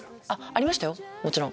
ありましたよもちろん。